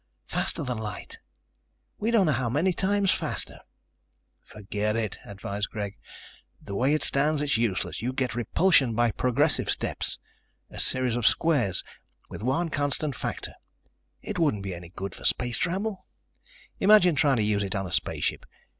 Faster than light. We don't know how many times faster." "Forget it," advised Greg. "The way it stands, it's useless. You get repulsion by progressive steps. A series of squares with one constant factor. It wouldn't be any good for space travel. Imagine trying to use it on a spaceship.